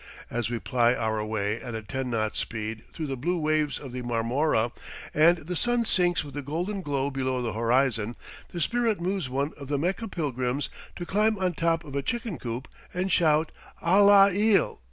As we ply our way at a ten knot speed through the blue waves of the Marmora, and the sun sinks with a golden glow below the horizon, the spirit moves one of the Mecca pilgrims to climb on top of a chicken coop and shout "Allah il!"